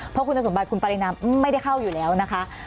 เพราะคุณสมบัติคุณปรินาไม่ได้เข้าอยู่แล้วนะคะ